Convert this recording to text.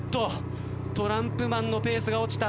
トランプマンのペースが落ちた。